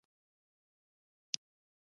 څنګه کولی شم د جنت البقیع زیارت وکړم